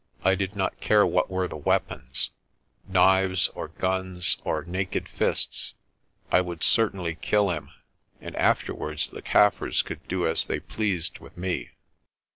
I did not care what were the weapons knives or guns or naked fists I would certainly kill him, and after wards the Kaffirs could do as they pleased with me.